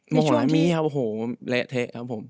โมโหสามีครับโอ้โหเละเทะครับผม